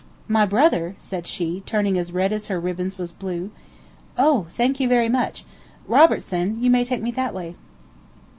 "My brother?" said she, turning as red as her ribbons was blue. "Oh, thank you very much! Robertson, you may take me that way."